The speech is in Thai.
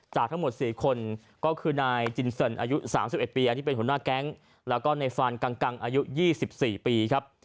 ทั้งหมด๔คนก็คือนายจินเซินอายุ๓๑ปีอันนี้เป็นหัวหน้าแก๊งแล้วก็ในฟานกังอายุ๒๔ปีครับ